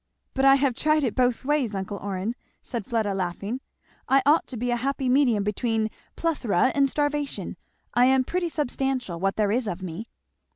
"But I have tried it both ways, uncle Orrin," said Fleda laughing. "I ought to be a happy medium between plethora and starvation. I am pretty substantial, what there is of me."